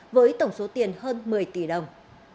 với tổng số tiền hơn một mươi tỷ đồng